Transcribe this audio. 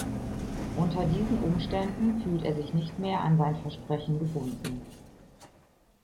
Unter diesen Umständen fühlt er sich nicht mehr an sein Versprechen gebunden.